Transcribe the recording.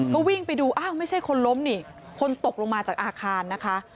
ก็วิ่งไปดูอ้าวไม่ใช่คนล้มนี่คนตกลงมาจากอาคารนะคะ